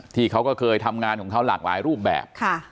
เขาก็เคยทำงานของเขาหลากหลายรูปแบบ